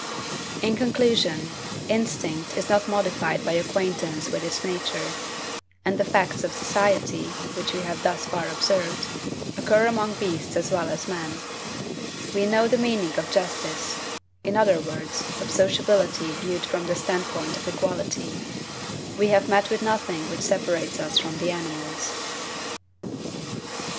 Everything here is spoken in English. In conclusion, instinct is not modified by acquaintance with its nature; and the facts of society, which we have thus far observed, occur among beasts as well as men. We know the meaning of justice; in other words, of sociability viewed from the standpoint of equality. We have met with nothing which separates us from the animals.